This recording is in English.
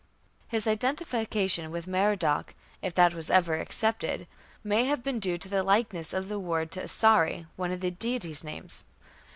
"His identification with Merodach, if that was ever accepted, may have been due to the likeness of the word to Asari, one of the deities' names."